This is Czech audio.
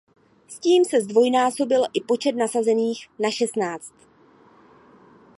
S tím se zdvojnásobil i počet nasazených na šestnáct.